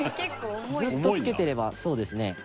ずっとつけてれば、そうですね。